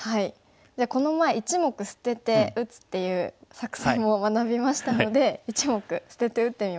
じゃあこの前１目捨てて打つっていう作戦も学びましたので１目捨てて打ってみますか。